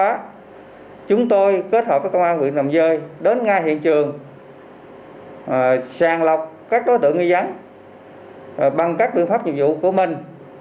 qua điều tra chúng tôi kết hợp với công an huyện đầm rơi đến ngay hiện trường sàng lọc các đối tượng nghi giắn bằng các biện pháp nhiệm vụ của mình